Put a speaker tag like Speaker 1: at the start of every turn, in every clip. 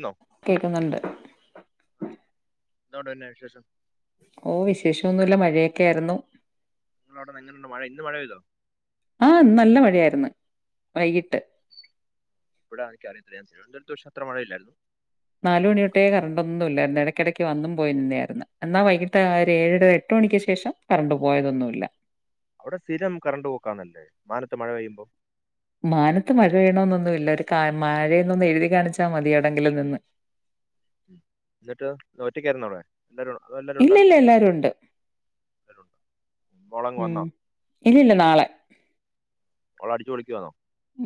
Speaker 1: ന്നോ
Speaker 2: കേൾക്കുന്നുണ്ട്
Speaker 1: എന്നാ ഒണ്ട് പിന്നെ വിശേഷം
Speaker 2: ഓ വിശേഷൊന്നുമല്ല മഴയൊക്കെയായിരുന്നു
Speaker 1: നിങ്ങള അവിട്ന്ന് എങ്ങനെയണ്ട് മഴ ഇന്ന് മഴപെയിതോ
Speaker 2: ആ നല്ല മഴയായിരുന്നു. വൈകിട്ട്
Speaker 1: ഇവിടെ എനിക്കറിയത്തില്ല പക്ഷെ തിരുവന്ദൂരത്തു അത്ര മഴ ഇല്ലായിരുന്നു.
Speaker 2: നാലല് മണിയൊട്ടേ കറണ്ടി ന്നുംല്ലായിരുന്നു ഇടക്കിടക്ക് വന്നും പോയി നിന്നായിരുന്നു എന്നാ വൈകിട്ട് ഏഴര എട്ട് മണിക്ക് ശേഷം കരണ്ട് പോയതൊന്നുല്ല.
Speaker 1: അവിടെ സ്ഥിരം കറണ്ട് പോക്കാന്നല്ലേ മാനത്ത് മഴ പെയ്യുമ്പോ
Speaker 2: മാനത്ത് മഴ പെയ്യണോന്നൊന്നുല്ല ഒരു മഴന്നൊന്ന് എഴുതി കാണിച്ചാൽ മതിയാടെങ്കിലും നിന്ന്
Speaker 1: ഉം ന്ന്ട്ട് ഒറ്റക്കായ്ര്ന്നോ അവടെ? എല്ലാരു അതോ എല്ലാരു
Speaker 2: ഇല്ലില്ല എല്ലാരും ഒണ്ട്
Speaker 1: മോളങ് വന്നോ
Speaker 2: ഇല്ലില്ല നാളെ
Speaker 1: മോള് അടിച്ചുപൊളിക്കുവാന്നോ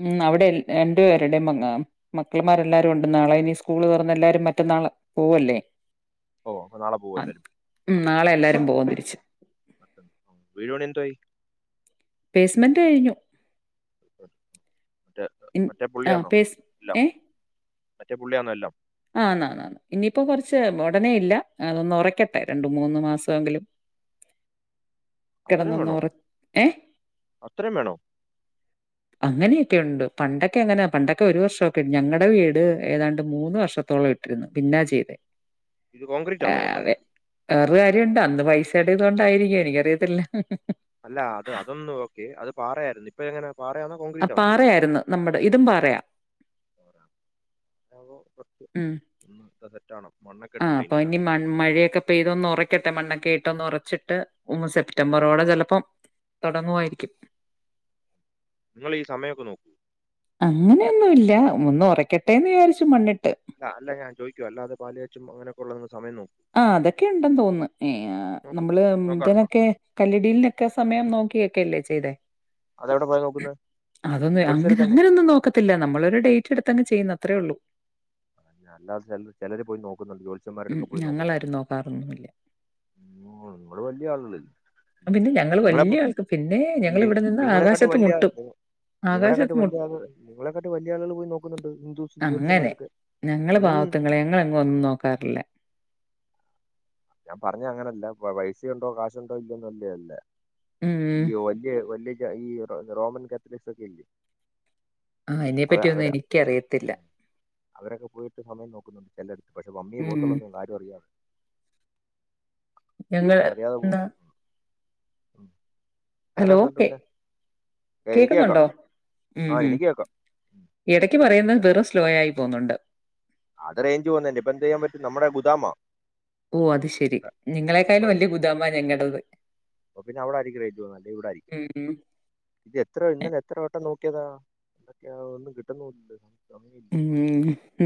Speaker 2: ഉം അവിടെ രണ്ടു പേരുടെയും അങ്ങ മക്കളമാരെല്ലാരും ഉണ്ട് നാളെ ഇനി സ്കൂള് തൊറന്നു എല്ലാരും മറ്റന്നാള് പോവല്ലേ
Speaker 1: ഓ അപ്പൊ നാളെ
Speaker 2: ആ,
Speaker 1: പോവല്ലാരും
Speaker 2: ഉം നാളെയെല്ലാരും പോവാൻ തീരുമാനിച്ചു
Speaker 1: മ്മ് വീട് പണിയെന്തോ ആയി.
Speaker 2: പേസ്മെന്റ് കഴിഞ്ഞു. ഇൻ-
Speaker 1: മറ്റേ
Speaker 2: ആ
Speaker 1: പുള്ളിയാന്നോ
Speaker 2: പേസ്
Speaker 1: എല്ലാം മറ്റേ പുള്ളിയാന്നോ എല്ലാം
Speaker 2: ആ ന്നാന്നാ ഇനിയിപ്പോ കുറച്ച് ഉടനെയില്ല അതൊന്ന് ഒറയ്ക്കട്ടെ രണ്ടു മൂന്ന് മാസമെങ്കിലും
Speaker 1: അത്രയും വേണോ
Speaker 2: കെടന്നൊന്നൊറ
Speaker 1: അത്രയും വേണോ
Speaker 2: അങ്ങനെയൊക്കെയുണ്ട് പണ്ടൊക്കെ എങ്ങനെ പണ്ടൊക്കെ ഒരു വർഷക്കെണ്ട് ഞങ്ങളടെ വീട് ഏതാണ്ട് മൂന്ന് വർഷം ട്ടിരുന്നു പിന്നാ ചെയ്തേ
Speaker 1: ഇത് കോൺക്രീറ്റ്
Speaker 2: ആ
Speaker 1: ആണോ മൊത്തം
Speaker 2: അതെ വേറൊരു കാര്യംണ്ട് അന്ന് പൈസേടെയിതു കൊണ്ടായിരിക്കും എനിക്കറിയത്തില്ല
Speaker 1: അല്ല അത് അതൊന്നന്ന് ഓക്കെ അത് പാറയായിരുന്നു ഇപ്പ എങ്ങനാ പാറയാണോ?
Speaker 2: ആ
Speaker 1: കോൺക്രീറ്റ്
Speaker 2: പാറയായിരുന്നു. നമ്മുടെ ഇതും പാറയ
Speaker 1: ആണോ ഒന്ന് സെറ്റക്കണം മണ്ണൊക്കെ
Speaker 2: ആ
Speaker 1: ഇട്ടുണ്ട
Speaker 2: അപ്പൊ ഇനി
Speaker 1: അയിനാത്ത്
Speaker 2: മൺ മഴയൊക്കെ പെയ്തൊന്നുറയ്ക്കട്ടെ മണ്ണൊക്കെ ഇട്ട് ഒന്ന് ഒറച്ചിട്ട് മൂന്ന് സെപ്റ്റംബറോടെ ചിലപ്പം തുടങ്ങുമായിരിക്കും
Speaker 1: നിങ്ങളീ സമയമൊക്കെ നോക്കോ
Speaker 2: അങ്ങനെയൊന്നുല്ല ഒന്ന് ഒറക്കട്ടെന്ന് വിചാരിച്ചു മണ്ണിട്ട്
Speaker 1: അല്ല അല്ല ഞാൻ ചോയ്ക്കുവാ അല്ലതെ പാലുകാച്ചും അങ്ങനൊക്കെള്ള ഒന്ന് സമയം നോക്കുവോ
Speaker 2: ആ അതൊക്കെയുണ്ടെന്ന് തോന്നുന്നു
Speaker 1: നോക്ക്
Speaker 2: നമ്മള്
Speaker 1: നോക്കാറുണ്ടോ
Speaker 2: ഇതിനൊക്കെ കല്ലടിലിനൊക്കെ സമയം നോക്കിയൊക്കെല്ലേ ചെയ്തേ
Speaker 1: അതെവിടെ പോയി നോക്കുന്നത്
Speaker 2: അതൊന്ന്
Speaker 1: ജോത്സ്യരെ
Speaker 2: അങ്ങനെ
Speaker 1: തന്നെ
Speaker 2: അങ്ങനെൊന്നും നോക്ക ല്ല നമ്മള ഒരുരു ഡേറ്റ് എടുങ്ങ് ചെയ്യുന്നത്ത്രേ ഉള്ളൂ
Speaker 1: അല്ലാതെില ചിലര് പോയി നോക്കുന്നുോ ജോ
Speaker 2: മ ഞങ്ങളരുും നോക്കാറൊന്നുമില്ല
Speaker 1: ഉ നിങ്ങള് വലിയ ആളുകളല്ലേ
Speaker 2: പിന്നെ ഞങ്ങള്
Speaker 1: നിങ്ങളപ്പോ
Speaker 2: വല്യ ആൾക്ക് പിന്നെ
Speaker 1: നി
Speaker 2: ഞങ്ങളിവിടെ നിന്ന്
Speaker 1: നിങ്ങളെക്കാട്ടി
Speaker 2: ആകാശത്ത്
Speaker 1: വലിയ
Speaker 2: മുട്ടും. ആകാശത്ത്
Speaker 1: നിങ്ങളെക്കാട്ടും
Speaker 2: മു
Speaker 1: വല്യ നിങ്ങളെക്കാട്ടിം വല്യ ആളുകൾ പോയി നോക്കുന്നുണ്ട് ഹിന്ദുസിന്റെ ജ്യോസ്യൻന്മാരുടെടുക്കെ
Speaker 2: ഞങ്ങള പാവത്തുങ്ങളെ ഞങ്ങളെങ്ങ ഒന്നും നോക്കാറില്ല.
Speaker 1: ഞാൻ പറഞ്ഞ അങ്ങനെയല്ല പൈസയ ഉണ്ടോ കാശുണ്ടോ ഇല്ലയോന്ന അല്ലേ അല്ലേ
Speaker 2: ഉം.
Speaker 1: ഈ വലിയ വലിയ ജ ഈ റോമൻ കാത്തലിക്സൊക്കെ ഇല്ലേ
Speaker 2: ആഹ
Speaker 1: അവ
Speaker 2: അതിനെപ്പറ്റി ഒന്നും
Speaker 1: അവര്
Speaker 2: എനിക്ക അറിയത്തില്ല
Speaker 1: അവരൊക്കെ പോയിട്ട് സമയം നോക്കുന്നുണ്ട് ചിലടത്ത് പക്ഷേമ്മിയെ
Speaker 2: ഉം.
Speaker 1: പോത്തുള്ളൂൊന്ന് ആരും അറിയാമെ
Speaker 2: ഞങ്ങള്
Speaker 1: അരും അറിയാതെ പോ
Speaker 2: ന്നാ
Speaker 1: വേറെ
Speaker 2: ഹലോ കേ
Speaker 1: എന്തുണ്ടൂല്ലേ ഏ എനിക്ക് കേക്കാം
Speaker 2: കേക്കുന്നുണ്ടോ? ഉം
Speaker 1: ആ
Speaker 2: ഉം.
Speaker 1: എനിക്ക് കേക്കാം. ഉം.
Speaker 2: ഇടയ്ക്ക് പറയുന്നത് വെറ സ്ലോ ആയി പോകുന്നുണ്ട്.
Speaker 1: അത് റേഞ്ച് പോന്നെപ്പ എന്ത് ചെയ്യാൻ പട്ടും നമ്മുടെ ഗുതമാ
Speaker 2: ഓ അത് ശെരി നിങ്ങളെക്കാാലും വലിയ ഗുദാമ ഞങ്ങ കേട്ടത്
Speaker 1: അപ്പ പിന്ന അവിടെ ആരിക്കും റേഞ്ച് പോന്നേ അല്ലേ ഇവിടെ ആരിക്കും
Speaker 2: ഉം
Speaker 1: ഇത് എത്ര ഇന്നലെ എത്ര വട്ടം നോക്കിയതാ എന്തൊക്കെയ ഒന്നും കിട്ടുന്നില്ല സമയില്ല
Speaker 2: ഉം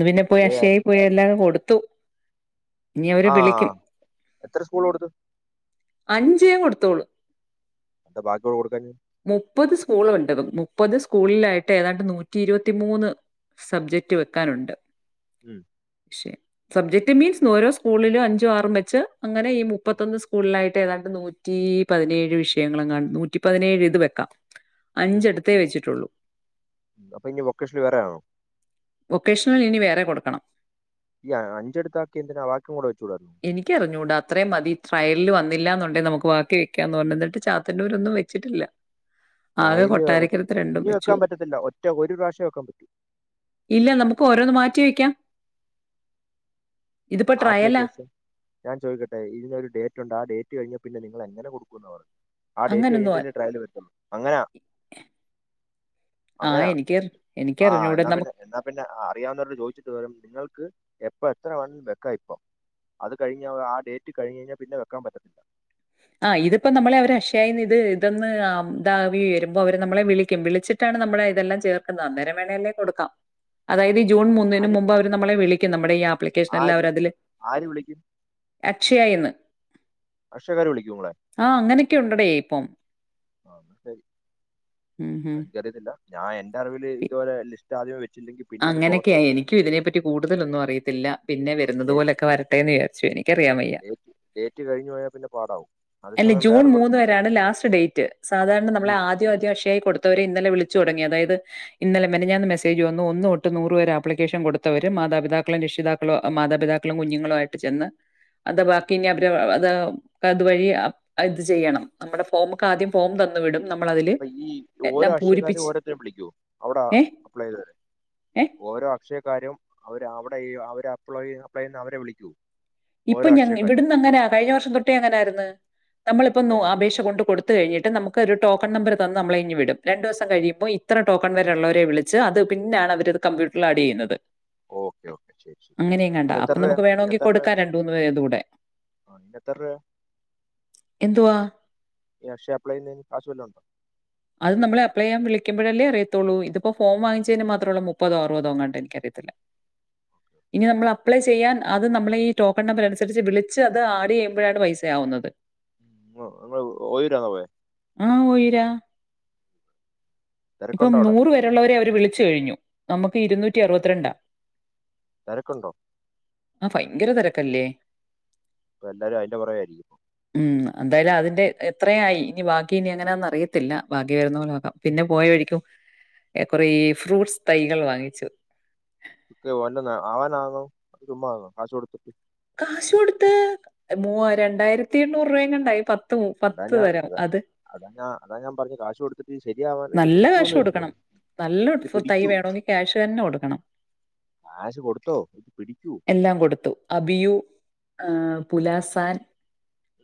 Speaker 2: പിന്നെ പോയി അക്ഷയയി പോയി എല്ലാം കൊടുത്തു ഇനി അവര്
Speaker 1: ആ
Speaker 2: വിളിക്കും
Speaker 1: എത്ര സ്കൂൾ കൊടുത്തു
Speaker 2: അഞ്ചേ കൊടുത്തോളൂ
Speaker 1: അത ബാക്കിയോട് കൊടുക്കഞ്ഞെ
Speaker 2: മുപ്പത് സ്കൂളുണ്ട് മുപ്പത് സ്കൂളിലായിട്ട് ഏതാണ്ട് നൂറ്റി ഇരുപത്തിമൂന്ന് സബ്ജക്ട് വെക്കാനുണ്ട്
Speaker 1: ഉം
Speaker 2: പക്ഷെ സബ്ജക്ട് മീൻസ് ഓരോ സ്കൂളിലും അഞ്ചോ ആറും വെച്ച് അങ്ങനെ ഈ
Speaker 1: ഉം,
Speaker 2: മുപ്പത്തൊന്ന് സ്കൂളിലായിട്ട് ഏതാണ്ട് നു നൂറ്റി പതിനേഴ് വിഷയങ്ങളെ കാ നൂറ്റി പതിനേഴ് ഇത് വെക്കാം
Speaker 1: ഉം.
Speaker 2: അഞ്ചിടുത്തേ വെച്ചിട്ടുള്ളൂ
Speaker 1: അപ്പൊ ഇനി വൊക്കേഷനിൽ വരാ ആണോ
Speaker 2: വൊക്കേഷണൽ ഇനി വേറെ കൊടുക്കണം
Speaker 1: ഈ അഞ്ച അടുത്താക്കിയ എന്തിന ആഹ് വാക്കിയും കൂടെ വെച്ചുടായിരുന്നോ
Speaker 2: എനിക്കറിഞ്ഞൂട അത്രയും മതി ട്രയൽ വന്നില്ലാന്ന് ഉണ്ടങ്ക നമുക്ക് വാക്കി വെക്കാന്ന് പറഞ്ഞ എന്നിട്ട് ചാത്തനൂര് ഒന്നു വെച്ചിട്ടില്ല ആകെ
Speaker 1: ട്രയല്
Speaker 2: കൊട്ടാരക്കരത്ത് രണ്ടും
Speaker 1: ഇനി
Speaker 2: വെച്ചു.
Speaker 1: വെക്കാൻ പറ്റത്തില്ല ഒറ്റ ഒരു പ്രാവശ്യം വെക്കാൻ പറ്റു
Speaker 2: ഇല്ല നമുക്ക് ഓരോന്ന് മാറ്റി വയ്ക്കാം ട്രയലാ.
Speaker 1: ആപ്ലിക്കേഷൻ ഞാൻ ചോദിക്കട്ടെ ഇതിനൊരു ഡേറ്റ്ണ്ട് ആഹ് ഡേറ്റ് കഴിഞ്ഞ പിന്നെ നിങ്ങള് എങ്ങനെ കൊടുക്കൂന്ന് പറയുന്ന ആഹ് ഡേറ്റ്
Speaker 2: അങ്ങനൊന്നും
Speaker 1: കഴിഞ്ഞിട്ടെ
Speaker 2: അ
Speaker 1: അല്ലെ ട്രയൽല് വരത്തോള് അങ്ങനാ
Speaker 2: ആ
Speaker 1: അങ്ങനെയാ
Speaker 2: എനിക്കറി
Speaker 1: ആഹ്
Speaker 2: എനിക്കറിഞ്ഞൂടാ.
Speaker 1: എന്നാ പിന്നെ
Speaker 2: നമുക്ക്
Speaker 1: പിന്നെ അറിയാവുന്നവരോട് ചോദിച്ചിട്ട് വരു നിങ്ങൾക്ക് എപ്പ എത്ര വേണം വെക്കാം ഇപ്പം അത് കഴിഞ്ഞാൽ ആഹ് ഡേറ്റ് കഴിഞ് കഴിഞ്ഞാൽ പിന്നെ വെക്കാൻ പറ്റത്തില്ല
Speaker 2: ആഹ് ഇതിപ്പോ നമ്മളെ അവര് അഷയായിന്ന് ഇത് ഇതന്ന്താവി വരുമ്പോ അവരെ നമ്മളെ വിളിക്കും വിളിച്ചിട്ട് ടാണ് നമ്മള ഇതെല്ലാം ചേർക്കുന്നത് അന്നേരം വേണല്ലേ കൊടുക്കാം അതായത് ഈ ജൂൺ മൂന്നിന്
Speaker 1: ആര്
Speaker 2: മുമ്പ് അവര് നമ്മളെ വിളിക്കും നമ്മുടെ ഈ ആപ്ലിക്കേഷന എല്ലാം
Speaker 1: ആര്
Speaker 2: അവര് അതില്
Speaker 1: ആര് വിളിക്കും
Speaker 2: അക്ഷയായിന്ന്
Speaker 1: അക്ഷയക്കാര് വിളിക്കുമോ നമ്മളെ
Speaker 2: ആഹ് അങ്ങനെയൊക്കെ ഉണ്ടടേ ഇപ്പം
Speaker 1: ആഹ് ശരി
Speaker 2: ഉം ഹും.
Speaker 1: എനിക്കറിയത്തില്ല ഞാൻ എന്റെ അറിവിൽ ഇതുപോല ലിസ്റ്റ് ദ്യമ വച്ചില്ലങ്കിൽ
Speaker 2: അങ്ങനെയോക്ക്യാ എനിക്കും ഇതിനെപ്പറ്റി കൂടുതലൊന്നും അറിയത്തില്ലാ പിന്നെ വെരുന്നത്
Speaker 1: ഡേറ്റ്
Speaker 2: പോലൊക്ക്യയേ വേരട്ടേന്ന് വിചാരിച്ച് എനിക്കറിയാൻ വയ്യാ
Speaker 1: ടേറ്റ് കഴിഞ്ഞേ
Speaker 2: അല്ലാ ജൂൺ മൂന്ന്
Speaker 1: പ്രശ്നം
Speaker 2: വേരെയാണ് ലാസ്റ്റ് ഡേറ്റ് സാധാരണ നമ്മളെ ആദ്യ ആദ്യം ആദ്യം അക്ഷയായി കൊടുത്താവേരെ ഇന്നലെ വിളിച്ച് തൊടങ്ങിയത് അതായത് ഇന്നാലെ മെനാഞ്ഞാന്ന് മസ്സേജ് വന്ന് ഒന്ന് തോട്ട് നൂറ് വേരെ ആപ്ലിക്കേഷൻ കൊടുത്താവര് മാതാപിതാക്കളും രക്ഷിതാക്കളും മാതാപിതാക്കളും കുഞ്ഞങ്ങളും ആയിട്ട് ചെന്ന് അത് ബാക്കിന്ന്യാ അവരെ അത് അത് വഴി ഇത് ചെയ്യണം നമ്മടെ ഫോമാക്ക് ആദ്യം ഫോം തന്നു വിടും നമ്മൾ അതിൽ
Speaker 1: അപ്പൊ ഈ ഓരോ അക്ഷയക്കാരും ഓരോരുത്തരം വിളിക്കോ അവിടെ
Speaker 2: ഏഹ്
Speaker 1: അപ്ലൈ ചെയ്ത് വരെ
Speaker 2: ഏഹ്
Speaker 1: ഓരോ അക്ഷയാ കാരും അവര് അവടെ ഈ അവര് അപ്ല അപ്ലെ ചെയ്യന്ന് അവരെ വിളിക്കോ
Speaker 2: ഇപ്പൊ ഞ ഇവടുന്ന് അങ്ങനൊ കഴിഞ്ഞ വർഷം തൊട്ട് അങ്ങനൊയാര്ന്ന് നമ്മളിപ്പൊ
Speaker 1: അതല്ല
Speaker 2: നേ
Speaker 1: ഞാൻ
Speaker 2: അപേക്ഷ
Speaker 1: ചോദിച്ചേ
Speaker 2: കൊണ്ട് കൊട് കഴിഞ്ഞിട്ട് നമ്മക്ക് ഒര് ടോക്കൺ നമ്പർ തന്ന് നമ്മളേ ഇങ്ങ് വിടും രണ്ട് ദിവസം കയിമ്പോ ഇത്ര ടോക്കൺ വെരേ ഒള്ളവരെ വിളി ച്ച് അത് പിന്നെയാണ് അവര് അത് കമ്പ്യൂട്ടറിൽ ആഡ് ചെയ്യ്ന്നാത്
Speaker 1: ഓക്കെ ഓക്കേ ശേരി ശെരി എത്ര രൂയാ എത്ര രൂയാ
Speaker 2: രണ്ട് മൂന്ന് ഇത് കൂടെ
Speaker 1: എത്ര രൂപയാ
Speaker 2: എന്തുവാ
Speaker 1: അക്ഷയേ അപ്ലൈ ചെയ്ന്നതിന് കാശ് വല്ലം ഒണ്ടോ
Speaker 2: അത് നമ്മളേ അപ്ലൈ ചെയ്യൻ വിളിക്ക്പോഴാല്ലേ അറിയത്തോള്ളൂ ഇത് ഇപ്പോ ഫോം വാങ്ങിച്ചേന് മാത്രമ മുപ്പോ അറ്പതോ ഇങ്ങാണ്ട് എനിക്ക് അറിയാ ഇനി നമ്മള് അപ്ലെ ചെയ്യാൻ അത് നമ്മളെ ഈ ടോക്കൺ നമ്പർ അനുസരിച്ച് വിളിച്ച് അത് ആഡ് ചെയ്യുമ്പോഴാണ് പൈസ ആവ്ന്നത്
Speaker 1: ഓ [unintelligible] പോയേ
Speaker 2: ആഹ് ഓയുരാ ഇപ്പം
Speaker 1: തിരക്കുണ്ടോ അവിടെ
Speaker 2: നൂറ് വെരേ ഒള്ളവരെ അവര് വിളിച്ച് കയിഞ്ഞു നമ്മക്ക് ഇരുന്നൂറ്റി അറുപത്തിരണ്ടാ
Speaker 1: തോരക്ക് ഒണ്ടോ
Speaker 2: ആഹ് ബയങ്കര തോരക്ക് അല്ലേ
Speaker 1: ഒപ്പേ എല്ലാരും അയിന്റെ പോറവേ അല്ലേ
Speaker 2: ഉം എന്തായാലും അതിന്റെ എത്രയായി ഇനി ബാക്കി ഇനി എങ്ങനാന്ന് അറിയത്തില്ലാ ബാക്കി വേര്ന്നാ പോലെ നോക്കാം പിന്നെ പോയവഴിക്ക് കൊറെ ഈ ഫ്രൂട്ട്സ് തൈകള് വാങ്ങിച്ച്
Speaker 1: ഇത് വല്ലാം ആവാനാണോ അത് ചുമ്മാങ്ങോ കാശ് കൊട്
Speaker 2: കാശ് കൊടുത്ത് മൂയാ രണ്ടായിരത്തി എണ്ണൂറ് രൂപങ്ങണ്ടായി പത്ത
Speaker 1: അതാ ഞാൻ അത അതാ ഞാൻ അതാ ഞാൻ പറഞ്ഞ് കാശ് കൊട് ശേരിയാവാ
Speaker 2: നല്ല കാശ് കൊടുക്കണം. നല്ല ഫ് തൈ
Speaker 1: [inaudible]
Speaker 2: വേണമെങ്കിൽ ക്യാഷ് തന്നെ കൊടുക്കണം.
Speaker 1: കാശ് കൊടുത്തോ പിടിക്കുയൊ
Speaker 2: എല്ലാം കൊടുത്തു അബിയു ആഹ് പുലാസാൻ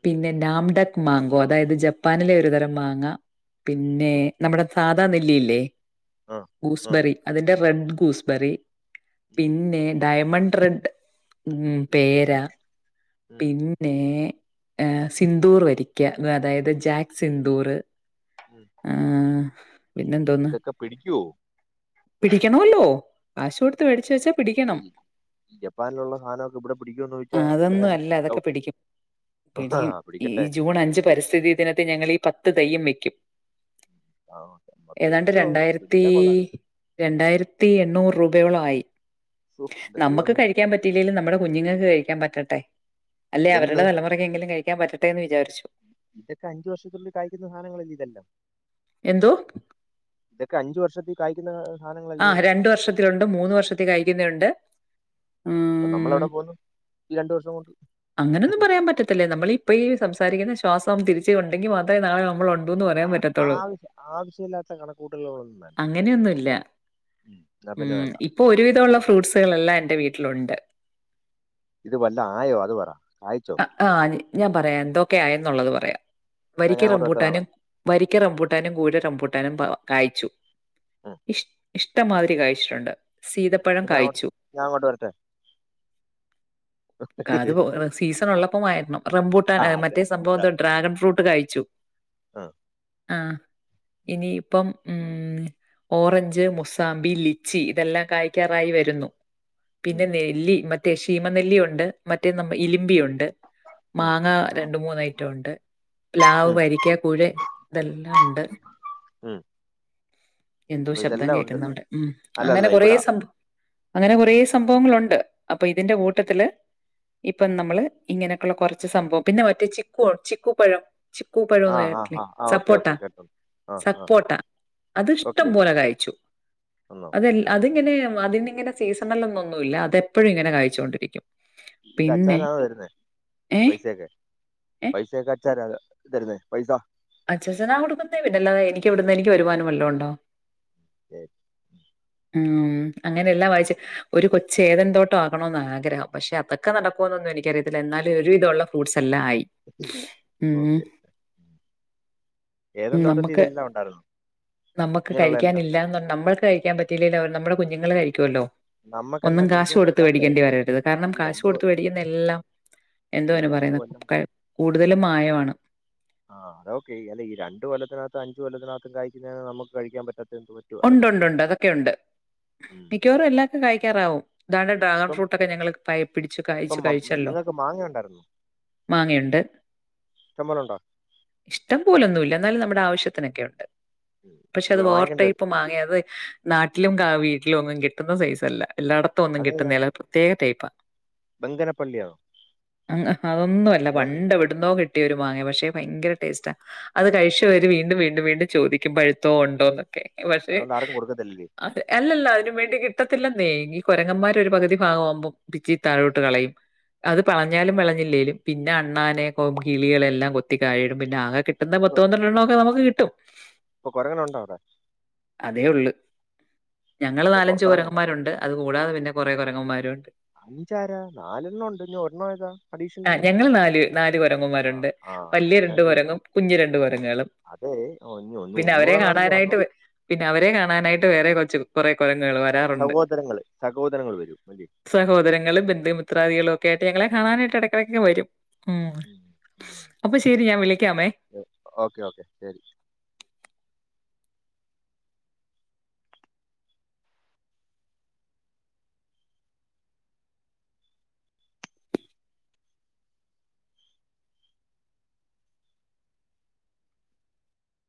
Speaker 2: പിന്നെ [unintelligible] മാങ്കോ അതായത് ജപ്പാനിലെ ഒര്തരം മാങ്ങാ പിന്നെ നമ്മടെ സാധാ നെല്ലി ഇല്ലേ
Speaker 1: ആഹ് ആഹ്
Speaker 2: ഗൂസ്ബെറി അതിന്റെ റെഡ്
Speaker 1: ഉം
Speaker 2: ഗൂസ്ബെറി പിന്നെ ഡയമണ്ട് റെഡ് ഉം പേരാ
Speaker 1: ഉം
Speaker 2: പിന്നെ യെ സിന്ദൂർ വരിക്ക്യാ അതായത് ജാക്ക് സിന്ദൂർ
Speaker 1: [unintelligible]
Speaker 2: ആഹ് പിന്നെ എന്തോന്ന്
Speaker 1: ഇതൊക്കെ പിടിക്കുവോ
Speaker 2: പിടിക്കണല്ലോ കാശു കൊടുത്ത് മോടിച്ച് വെച്ചാ പിടിക്കണം
Speaker 1: ഈ ജപ്പാനിലോള്ള സാനോക്കെ ഇവടെ പിടിക്കന്നോ
Speaker 2: ആ,
Speaker 1: ചോയീച്ചാ
Speaker 2: അതൊന്നും
Speaker 1: എനിക്ക്
Speaker 2: അല്ല അതൊക്കെ
Speaker 1: ഡൌട്ട്
Speaker 2: പിടിക്കും പിടിക്കും ഈ ജൂൺ അഞ്ച്
Speaker 1: പിടിക്കട്ടെ
Speaker 2: പരിസ്ഥിതി ദിനത്തി ഞങ്ങള് ഈ പത്ത് തെയ്യം വെക്കും
Speaker 1: ആഹ് ഓക്കെ
Speaker 2: ഏതാണ്ട് രണ്ടായിരത്തി രണ്ടായിരത്തി എണ്ണൂറ് രൂപയോളം ആയി
Speaker 1: ശോ എന്റെ
Speaker 2: നമ്മക്ക്
Speaker 1: ദൈവമേ
Speaker 2: കയി ക്കാപറ്റില്ലേലും നമ്മടെ കുഞ്ഞുങ്ങക്ക് കഴിക്കാൻ പറ്റട്ടെ അല്ലെ അവരടെ
Speaker 1: എന്ന്
Speaker 2: തലമുറേ ക്കെങ്കിലും കഴിക്കാൻ പറ്റട്ടേ എന്ന് വിചാരിച്ചു
Speaker 1: ഇതൊക്കെ അഞ്ച് വർഷത്തുള്ളി കയിക്കുന്നാ സാധങ്ങള് അല്ലേ ഇതേല്ലാം
Speaker 2: എന്തോ
Speaker 1: ഇതൊെ അഞ്ച് വർഷത്തി സൈറ്റില് സാധങ്ങ
Speaker 2: ആ് രണ്ട് വർഷത്തിലുണ്ട് മൂന്ന് വർഷത്തിൽ കഴിക്കുന്നുണ്ട് ഉ
Speaker 1: നമ്മളെവിടെ പോന്നു ഈ രണ്ടു വർഷം കൊണ്ട്.
Speaker 2: അങ്ങനെൊന്നും പറയാൻ പറ്റത്തില്ലേ നമ്മളിപ്പ ഈ സംസാരിക്കുന്ന ശ്വാസം തിരിച്ചുണ്ടെങ്കിൽ മാത്രമേ നാളെ നമ്മള പറയാൻ
Speaker 1: ആ-
Speaker 2: പറ്റത്തുള്ളൂ
Speaker 1: ആവശ്യ ആവശ്യമില്ലാത്ത കണക്കൂട്ടലുകളൊന്നും വേണ്ട
Speaker 2: അങ്ങനെയൊന്നുംല്ല
Speaker 1: ഉം. എന്നാ പിന്നെ
Speaker 2: ഉം
Speaker 1: വേണ്ട
Speaker 2: ഇപ്പൊ
Speaker 1: ആ,
Speaker 2: ഒരുവിധമുള്ള
Speaker 1: അത്
Speaker 2: ഫ്രൂട്ട്സുകളൾെല്ലാം എൻറെ വീട്ടിലുണ്ട്.
Speaker 1: ഇത് വല്ലോം ആയോ അത് പറാ കായിചോ
Speaker 2: ആഹ ഞാൻ പറയാം എന്തൊക്കെയ ആയെന്നുള്ളത് പറയാം
Speaker 1: എന്നാ ഞാൻ
Speaker 2: വരിക്കറം
Speaker 1: അങ്ങോട്ട് വരട്ടെ
Speaker 2: പൂട്ടാനും
Speaker 1: നാളെ
Speaker 2: വരിക്ക റംബൂട്ടാനും കൂര റംബൂട്ടാനും കായച്ചു ഇഷ ഇഷ്ടംമാതിരി കഴിച്ചിട്ടുണ്ട്. സീത
Speaker 1: അപ്പ ഞാങ്ങോട്ട് ഞാങ്ങട്ട് വരടൊ ആഹ്
Speaker 2: സീസൺ ഉള്ള പം വായോ. റംബൂട്ടാ മറ്റേ
Speaker 1: അതാ
Speaker 2: സംഭവം ഡ്രാഗൺ ഫ്രൂട്ട് കഴിച്ചു
Speaker 1: ആ
Speaker 2: ആ ഇനി ഇപ്പം. ഉം ഓറഞ്ച്, മുസാമ്പി, ലിച്ചി, ഇതെല്ലാം കായ്ക്കാറായി വരുന്നു.
Speaker 1: ഉം
Speaker 2: പിന്നെ നെല്ലി മറ്റേ ഷീമനെല്ലിയുണ്ട് മറ്റേ നമ്മ
Speaker 1: ഉം
Speaker 2: ഇലിമ്പിയുണ്ട്.
Speaker 1: ഉം
Speaker 2: മാങ്ങ രണ്ട് മൂന്ന് ഐറ്റം ഉണ്ട്. പ്ലാവ്
Speaker 1: ഉം
Speaker 2: ഭരിക്കാ കുഴ് ഇതെല്ലാം ഉണ്ട്.
Speaker 1: ഉം
Speaker 2: എന്തോ
Speaker 1: അപ്പൊ
Speaker 2: ശബ്ദം
Speaker 1: ഇതെല്ലാം ഉണ്ട്
Speaker 2: കേൾക്കുന്നവ്ടെ ഉം
Speaker 1: അല്ലല്ല
Speaker 2: അങ്ങനെ കൊറേ
Speaker 1: ഇവിടാ
Speaker 2: സംഭവം അങ്ങനെ
Speaker 1: ആ
Speaker 2: കൊറേ സ് ഭവങ്ങളുണ്ട് അപ്പൊ ഇതിന്റെ
Speaker 1: ഓക്കെ
Speaker 2: കൂട്ടത്തില് ഇപ്പം
Speaker 1: ഉം.
Speaker 2: നമ്മള് ഇങ്ങനെയൊക്കെയുള്ള കുറച്ച് സംഭവം പിന്നെ മറ്റേ ചിക്കു ചിക്കു പഴം. ചിക്കൂ
Speaker 1: ആ
Speaker 2: പഴന്ന്
Speaker 1: ആ
Speaker 2: കെട്ല്ല
Speaker 1: ആ ആ ഓക്കെ
Speaker 2: സപ്പോട്ട
Speaker 1: ഓക്കെ കേട്ടോ ആ ആ
Speaker 2: സപ്പോട്ട അത്ഷ്ടം
Speaker 1: ഓക്കെ
Speaker 2: പോലെ കാഴിച്ചു.
Speaker 1: വന്നോ
Speaker 2: അതിങ്ങനെ അതിന്ന്ങ്ങനെ സീസണല്ല് ഒന്നൊന്നുല്ല അതെപ്പോഴും ഇങ്ങനെ കഴ്ച്ചോണ്ടിരിക്കും.
Speaker 1: ഇത് അച്ചാന ആം വരുന്നേ
Speaker 2: ഏ?
Speaker 1: പൈസയൊക്കെ?
Speaker 2: ഏ?
Speaker 1: പൈസയൊക്കെ അച്ചനാ തരുന്നേ പൈസ.
Speaker 2: അച്ചച്ചനാ കൊടുക്കുന്നേ പിന്നെല്ല എനി എവിടന്ന് എനിക്കുവരുമനും വല്ലോംണ്ടോ
Speaker 1: ശരി
Speaker 2: ഉം അങ്ങനെ എല്ലാം വായിച്ച് ഒരു കൊച്ച് ഏതെന്തോട്ടം ആകണോന്ന ആഗ്രഹം പക്ഷെ അതൊ ക്കെ നടക്കോന്നൊന്നും എിനിക്കറിയത്തില്ല എന്നാലും ഒരുവിധള്ള ഫ്രൂ്സ്ല്ലാം ആയി.
Speaker 1: ഓക്കെ ഏതൻ
Speaker 2: ഉം
Speaker 1: തോട്ടത്തിൽ
Speaker 2: നമക്ക്
Speaker 1: ഇതെല്ലാം ഉണ്ടായിരുന്നു
Speaker 2: നമക്ക്
Speaker 1: ഇങ്ങനെയുള്ള എല്ലാം
Speaker 2: കഴിക്കൻഇല്ലന്ന ർഞ്ഞാ നമ്മൾക്ക് കഴിക്കാൻ പ റ്റിലീല്ലവർ നമ്മുടെ കുഞ്ഞുങ്ങള് കഴിക്കുവല്ലോ
Speaker 1: നമുക്ക്
Speaker 2: ഒന്നും
Speaker 1: എന്താ
Speaker 2: കാശ്
Speaker 1: കഴിക്കാൻ
Speaker 2: കൊടുത്
Speaker 1: പറ്റാത്ത
Speaker 2: വേടിക്കേണ്ടി വരരുത് കാരണം
Speaker 1: ഈ
Speaker 2: കാശ്
Speaker 1: രണ്ട് കൊ-
Speaker 2: കൊടുത്ത് വേടിക്കുന്ന എല്ലാം എന്തു
Speaker 1: ഈ
Speaker 2: വന്
Speaker 1: രണ്ട് കൊല്ലം
Speaker 2: പറയുന്ന കൂടുതലും മായമാണ്
Speaker 1: ആഹ് അതഓക്കെ എല്ല ഈ രണ്ട് കൊല്ലത്തിനകത്തും അൻജ് കൊല്ലത്തിനകും കായ്ക്കുന്ന നമുക്ക് കഴിക്കാൻ പറ്റാത്ത എന്തോ
Speaker 2: ഉണ്ട് ഉണ്ട് ഉണ്ട് അതൊക്കെ ഉണ്ട്
Speaker 1: ഉം
Speaker 2: മിക്കവാറും എല്ലാ ത് കഴിക്കാറാവും താണ് ഡ്രാഗൺ
Speaker 1: ഇപ്പം
Speaker 2: ഫ്രൂട്ടൊക്കെ ഞങ്ങള് പയ പിടിച്ചു
Speaker 1: ഇപ്പം
Speaker 2: കഴിച്ചു
Speaker 1: മ-
Speaker 2: കഴിച്ചല്ലോ
Speaker 1: നിങ്ങൾക്ക് മാങ്ങ ഉണ്ടായിരുന്നോ
Speaker 2: മാങ്ങയുണ്ട്.
Speaker 1: ഇഷമ്പോലുണ്ടോ?
Speaker 2: ഇഷ്ടം പോലൊന്നുല്ല. എന്നാലും നമ്മുടെ ആവശ്യത്തിനൊക്കെ ഉണ്ട്.
Speaker 1: ഉം.
Speaker 2: പക്ഷെ അത്
Speaker 1: ബ- വാങ്ങിക്കേണ്ടി
Speaker 2: വോർട്ടയ്മ്
Speaker 1: വരും
Speaker 2: മങ്ങയത് നാട്ടിലും കാ
Speaker 1: ഉം.
Speaker 2: വീട്ടിലുംന്നും കിട്ടുന്ന സൈസല്ല എല്ലാട തോന്നും
Speaker 1: അതേതാ
Speaker 2: കിട്ടുന്നേല്ല പ്രത്യേക ടൈപ്പ
Speaker 1: ബംഗനപ്പള്ളിയാണോ
Speaker 2: അ അതൊന്നും അല്ല
Speaker 1: അതോ നീ
Speaker 2: പണ്ട് എവ് ടുന്നോ കിട്ടിയ ഒരു മാങ്ങ പക്ഷെ ഭയങ്കര ട്ടേസ്റ്റാ അത് കഴിച്ചവര് വീണ്ടും വീണ്ടും വീണ്ടും ചോദിക്കും പഴുത്തോ ഉണ്ടോന്നൊക്കെ. എഹ് പക്ഷെ
Speaker 1: അതുകൊണ്ട് ആർക്കും കൊടുക്കത്തില്ലല്ലേ
Speaker 2: അതെ എല്ലല്ല അതിന് വേണ്ടി കിട്ടത്തില്ലെന്നേ ഈ കുരങ്ങന്മാര് ഒരു പകുതി ഭഗമാവുമ്പം പിച്ചി താഴോട്ട് കളയും അത് പളഞ്ഞാലും വളഞ്ഞില്ലേലും പിന്നെ
Speaker 1: ഇപ്പ
Speaker 2: അണ്ണാനെ കൊ കിളികളെല്ലാം കൊത്തിതാഴേയിടും പിന്നെ ആകെ കിട്ടുന്ന പത്തുപന്ത്രണ്ടെണോക്കെ നമുക്ക് കിട്ടും
Speaker 1: പ്പോ കൊരങനുണ്ടൊവിടെ
Speaker 2: അതേ ഉള്ള്
Speaker 1: ആ
Speaker 2: ഞങ്ങള്
Speaker 1: അപ്പൊ
Speaker 2: നാലഞ്ച
Speaker 1: പുറത്തിറങ്ങണ്ട
Speaker 2: കുരങ്ങന്മാരുണ്ട് അത് കൂടാതെ പിന്നെ കുറെ കുരങ്ങന്മാരുണ്ട്
Speaker 1: അഞ്ചാര നാലെണ്ണോണ്ട് ഞ ഒര്ണ്ണോ ഏതാ അഡീഷണല് ആ
Speaker 2: വരണ്ട്
Speaker 1: ആ അതാ
Speaker 2: വല്യ
Speaker 1: ഞാൻ
Speaker 2: രണ്ട്
Speaker 1: ചോദി
Speaker 2: ഒരങ്ങും കുഞ്ഞി രണ്ട് കുരങ്ങുകളും
Speaker 1: അതെ ഒ ഒന്ന്
Speaker 2: പിന്നെ
Speaker 1: ഒന്നൂട
Speaker 2: അവരെ
Speaker 1: [unintelligible] വന്നോ
Speaker 2: കാണാനായിട്ട് വേ- പിന്നെ അവരെ കാണാനായിട്ട് വേറെ കൊച്ച് കുറെ കുരങ്ങുകൾമാര്
Speaker 1: സവോദരങ്ങള് സഹോദരങ്ങള് വരും അല്ലേ
Speaker 2: സഹോദരങ്ങളും ബന്ധും മിത്രാദികളൊക്കെ ആയിട് ഞങ്ങളെ
Speaker 1: ഉം
Speaker 2: കാണാനായിട്ട് ഇടക്കിടക്കെ വരും ഉം അപ്പൊ ശരി ഞാൻ വിളിക്കാമേ
Speaker 1: ഓക്കെ ഓക്കെ ശരി